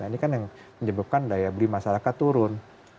ini kan yang menyebabkan daya beli masyarakat turun